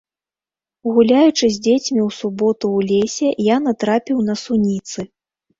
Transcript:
Гуляючы з дзецьмі ў суботу ў лесе, я натрапіў на суніцы.